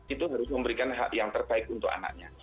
itu harus memberikan hak yang terbaik untuk anaknya